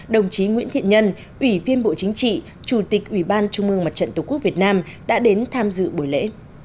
đồng chí nguyễn thiện nhân ủy viên bộ chính trị chủ tịch ủy ban trung mương mặt trận tổ quốc việt nam đã đến tham dự buổi lễ